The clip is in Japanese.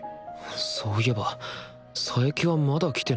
そういえば佐伯はまだ来てないのか？